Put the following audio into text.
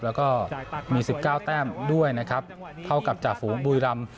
แล้วก็มี๑๙แต้มด้วยนะครับเท่ากับจ่าฝูงบุรีรำ